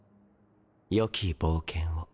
良き冒険を。